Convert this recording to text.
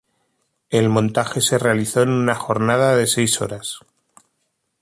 El montaje se realizó en una jornada de seis horas.